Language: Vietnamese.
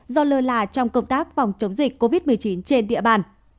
do lơ là trong công tác phòng chống dịch covid một mươi chín trên địa bàn